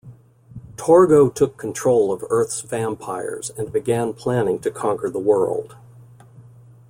Torgo took control of Earth's vampires, and began planning to conquer the world.